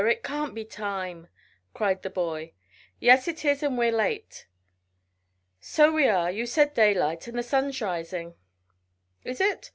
It can't be time," cried the boy. "Yes, it is, and we're late." "So we are. You said daylight, and the sun's rising." "Is it?"